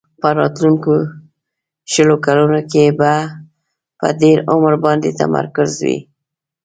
په راتلونکو شلو کلونو کې به په ډېر عمر باندې تمرکز وي.